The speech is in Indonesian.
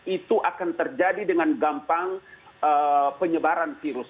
itu akan terjadi dengan gampang penyebaran virus